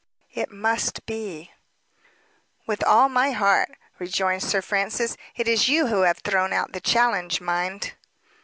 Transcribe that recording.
"It must be." "With all my heart," returned Sir Francis. "It is you who have thrown out the challenge, mind."